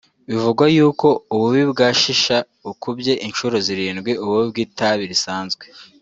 Bivugwa yuko ububi bwa shisha bukubye incuro zirindwi ububi bw’itabi risanzwe